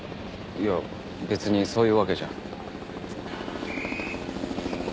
いや別にそういうわけじゃ。